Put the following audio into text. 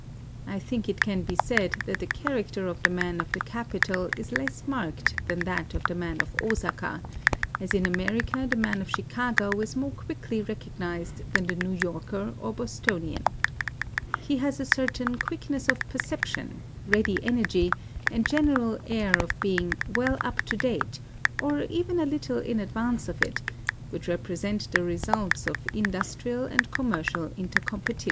I think it can be said that the character of the man of the capital is less marked than that of the man of Osaka, — as in America the man of Chicago is more quickly recognized than the New Yorker or Bostonian. He has a certain quick ness of perception, ready energy, and general air of being " well up to date," or even a little in advance of it, which represent the result 1 There are upwards of four hundred conunereial com panies in Osaka. IN OSAKA 137 of industrial and commercial intercompetition.